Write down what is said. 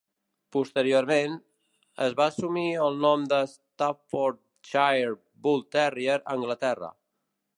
Posteriorment, es va assumir el nom de Staffordshire Bull Terrier a Anglaterra.